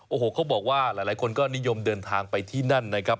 โอ้โหเขาบอกว่าหลายคนก็นิยมเดินทางไปที่นั่นนะครับ